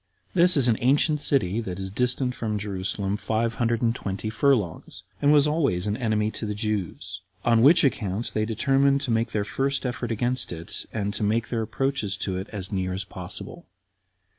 This is an ancient city that is distant from Jerusalem five hundred and twenty furlongs, and was always an enemy to the Jews; on which account they determined to make their first effort against it, and to make their approaches to it as near as possible.